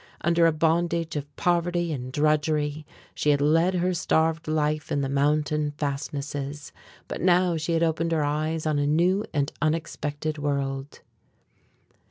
Under a bondage of poverty and drudgery she had led her starved life in the mountain fastnesses; but now she had opened her eyes on a new and unexpected world.